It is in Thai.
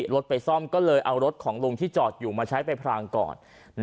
รถไปซ่อมก็เลยเอารถของลุงที่จอดอยู่มาใช้ไปพรางก่อน